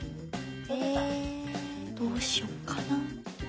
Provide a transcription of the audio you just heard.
えどうしよっかな？